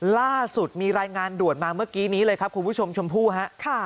ล่าสุดมีรายงานด่วนมาเมื่อกี้นี้เลยครับคุณผู้ชมชมพู่ฮะ